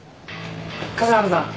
笠原さん